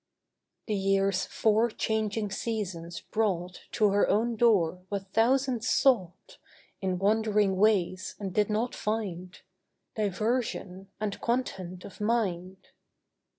The year's four changing seasons brought To her own door what thousands sought In wandering ways and did not find— Diversion and content of mind.